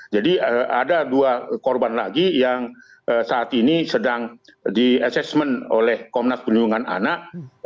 jadi ada dua korban lagi yang saat ini sedang di assessment oleh komnas penyelenggaraan anak